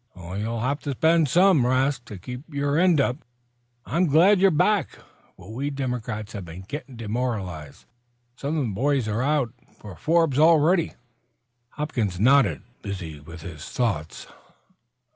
"You'll have to spend some, 'Rast, to keep your end up. I'm glad you're back, for we Democrats have been getting demoralized. Some of the boys are out for Forbes already." Hopkins nodded, busy with his thoughts.